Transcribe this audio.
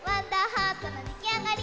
ハートのできあがり！